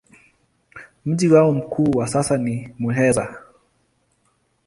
Mji wao mkuu kwa sasa ni Muheza.